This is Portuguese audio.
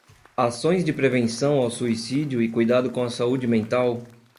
Ações de prevenção ao suicídio e cuidado com a saúde mental